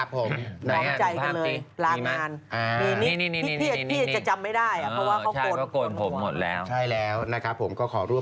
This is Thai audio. อ๋อพี่โสละบวชด้วย